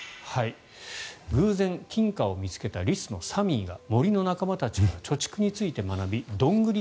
偶然、金貨を見つけたリスのサミーが森の仲間たちから貯蓄について学びドングリ